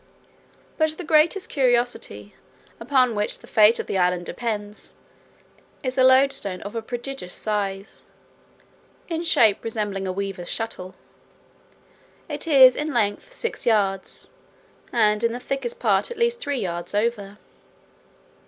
But the greatest curiosity, upon which the fate of the island depends, is a loadstone of a prodigious size, in shape resembling a weaver's shuttle. It is in length six yards, and in the thickest part at least three yards over.